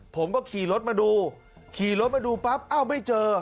ผมก็ขี่รถมาดูขี่รถมาดูปั๊บอ้าวไม่เจอ